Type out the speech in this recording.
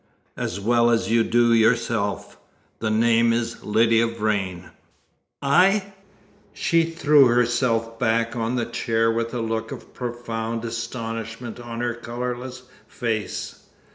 "As well as you do yourself. The name is Lydia Vrain!" "I!" She threw herself back on the chair with a look of profound astonishment on her colourless face.